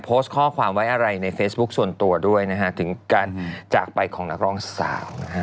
โพสต์ข้อความไว้อะไรในเฟซบุ๊คส่วนตัวด้วยนะฮะถึงการจากไปของนักร้องสาวนะฮะ